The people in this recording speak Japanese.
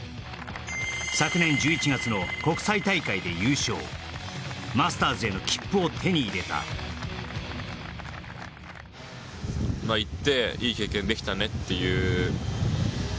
昨年１１月の国際大会で優勝マスターズへの切符を手に入れたああ